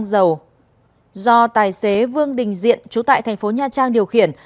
xăng dầu do tài xế vương đình diện trú tại thành phố nha trang điều khiển